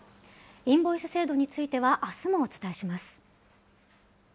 インボイス制度については、あすもお伝えします。